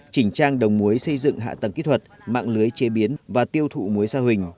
chỉnh trang đồng muối xây dựng hạ tầng kỹ thuật mạng lưới chế biến và tiêu thụ muối xa hình